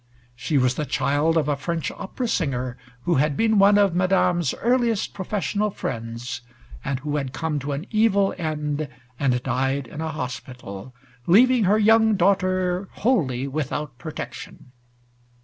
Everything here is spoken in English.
She was the child of a French opera singer who had been one of Madame's earliest professional friends and who had come to an evil end and died in a hospital, leaving her young daughter wholly without protection.